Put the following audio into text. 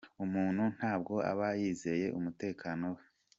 Umuntu ntabwo aba yizeye umutekano we.